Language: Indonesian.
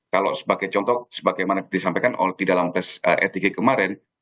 kalau sebagai contoh sebagaimana disampaikan di dalam tes etik kemarin